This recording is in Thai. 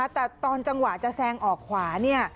แต่ตอนจังหวะจะแซงออกขวาเนี่ย